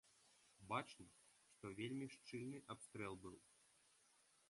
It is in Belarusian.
Бачна, што вельмі шчыльны абстрэл быў.